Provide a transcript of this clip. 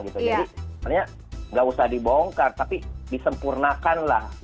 jadi makanya nggak usah dibongkar tapi disempurnakanlah